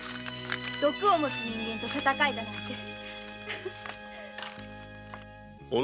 「毒を持つ人間と戦え」なんて。